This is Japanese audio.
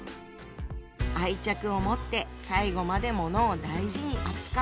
愛着を持って最後まで物を大事に扱う。